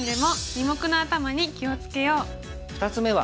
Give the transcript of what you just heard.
２つ目は。